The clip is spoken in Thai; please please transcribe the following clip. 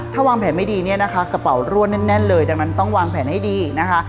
ถ้าวางแผนไม่ดีเนี่ยนะคะกระเป๋ารั่วแน่นเลยดังนั้นต้องวางแผนให้ดีนะคะ